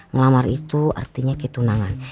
ngelamar itu artinya ketunangan